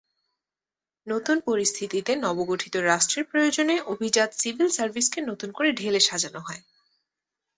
নতুন পরিস্থিতিতে নবগঠিত রাষ্ট্রের প্রয়োজনে অভিজাত সিভিল সার্ভিসকে নতুন করে ঢেলে সাজানো হয়।